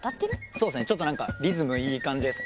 そうですねちょっと何かリズムいい感じです。